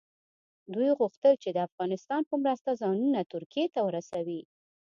دوی غوښتل چې د افغانستان په مرسته ځانونه ترکیې ته ورسوي.